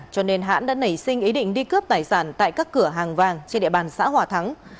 cho nên hãn đã nảy sinh ý định đi cướp tài sản tại các cửa hàng vàng trên địa bàn xã hòa thắng